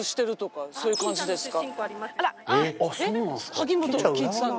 萩本欽一さんの？